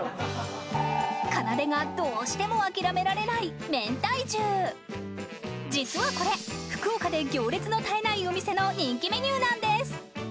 かなでがどうしても諦められないめんたい重実はこれ福岡で行列の絶えないお店の人気メニューなんです